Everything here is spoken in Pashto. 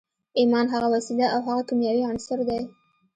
ایمان هغه وسیله او هغه کیمیاوي عنصر دی